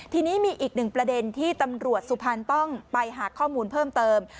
ทีนี้มีอีกหนึ่งประเด็นที่ตำรวจสุพรรณต้องไปหาข้อมูลเพิ่มเติม